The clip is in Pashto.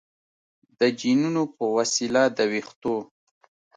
د جینونو په وسیله د ویښتو